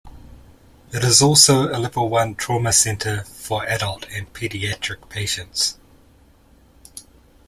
It is also a Level One trauma center for adult and pediatric patients.